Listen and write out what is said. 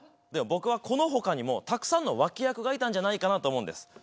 僕はこの他にもたくさんの脇役がいたんじゃないかなと思うんです。